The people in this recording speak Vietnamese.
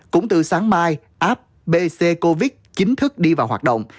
cũng từ sáng mai app bc covid chính thức đi vào hoạt động